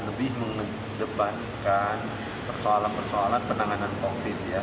lebih mengedepankan persoalan persoalan penanganan covid ya